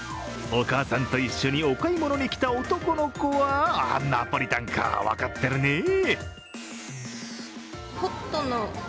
お母さんと一緒にお買い物に来た男の子はナポリタンか、分かってるね。